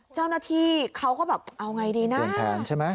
เจ้าหน้าที่เขาก็แบบเอาไงดีนะ